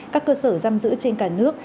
các cơ sở giam giữ trên cả nước